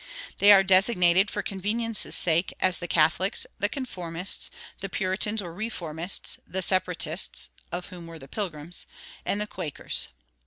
They are designated, for convenience' sake, as the Catholics, the Conformists, the Puritans or Reformists, the Separatists (of whom were the Pilgrims), and the Quakers.